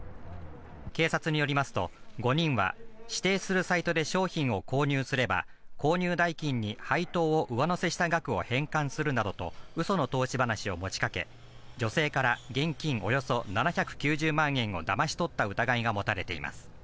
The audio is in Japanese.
警察によりますと、５人は指定するサイトで商品を購入すれば購入代金に配当を上乗せした額を返還するなどと嘘の投資話を持ちかけ女性から現金およそ７９０万円をだまし取った疑いが持たれています。